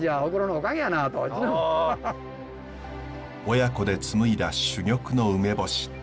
親子で紡いだ珠玉の梅干し。